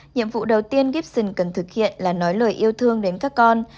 nhiệm vụ đầu tiên gibson cần thực hiện là nói lời yêu thương đến các con